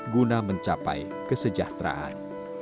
guna mencapai kesejahteraan